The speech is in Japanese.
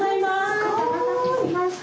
お待たせしました。